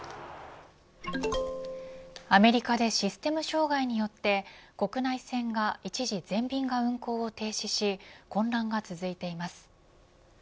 アメリカでシステム障害によって国内線が一時全便が運航を停止し混乱が続いています。